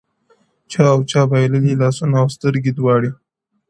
• چا او چا بايللى لاس او سترگه دواړه,